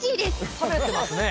食べてますね。